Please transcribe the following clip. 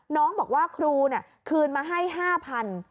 น้องบอกว่าครูคืนมาให้๕๐๐บาท